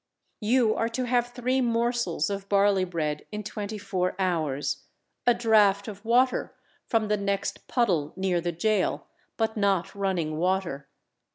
You are to have three morsels of barley bread in twenty four hours; a draught of water from the next puddle near the gaol, but not running water.